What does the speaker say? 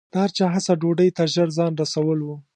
د هر چا هڅه ډوډۍ ته ژر ځان رسول و.